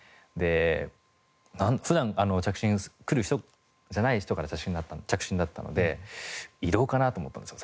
普段着信くる人じゃない人から着信だったので「異動かな？」と思ったんですよ